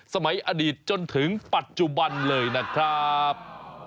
สมัยอดีตจนถึงปัจจุบันเลยนะครับ